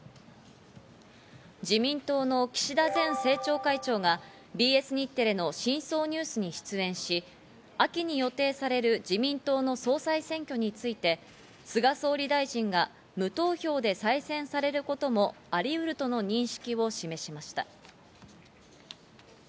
自民党の岸田前政調会長がＢＳ日テレの『深層ＮＥＷＳ』に出演し、秋に予定される自民党の総裁選挙について、菅総理大臣が無投票で再選されることもありうるとの認識を示しました。